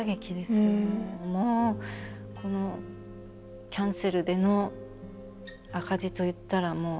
もうこのキャンセルでの赤字といったらもう。